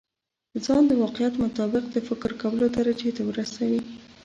ځان د واقعيت مطابق د فکر کولو درجې ته ورسوي.